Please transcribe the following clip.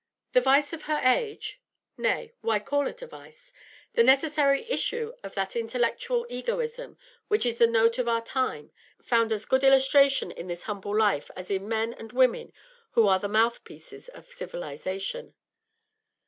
The vice of her age nay, why call it a vice? the necessary issue of that intellectual egoism which is the note of our time, found as good illustration in this humble life as in men and women who are the mouthpieces of a civilisation.